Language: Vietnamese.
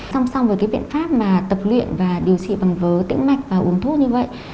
song song với cái biện pháp mà tập luyện và điều trị bằng vớ tĩnh mạch và uống thuốc như vậy